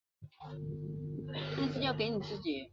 对雷达以及红外线传感器性能的要求当然也跟着提高。